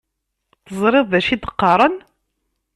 Teẓriḍ d acu i d-qqaren..